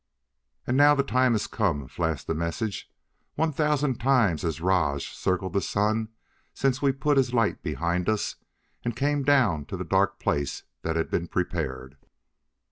"And now the time has come," flashed the message. "One thousand times has Rajj circled the sun since we put his light behind us and came down to the dark place that had been prepared.